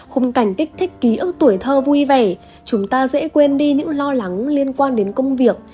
khung cảnh kích thích ký ức tuổi thơ vui vẻ chúng ta dễ quên đi những lo lắng liên quan đến công việc